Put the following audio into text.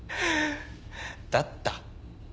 「だった」？